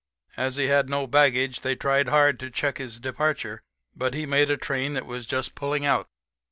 As he had no baggage they tried hard to check his departure, but he made a train that was just pulling out.